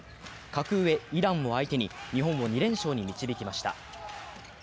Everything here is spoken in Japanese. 格上イランを相手に日本を２連勝に導きました。